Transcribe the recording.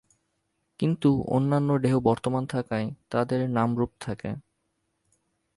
কিন্তু অন্যান্য ঢেউ বর্তমান থাকায় তাদের নাম-রূপ থাকে।